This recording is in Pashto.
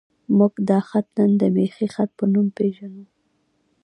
موږ دا خط نن د میخي خط په نوم پېژنو.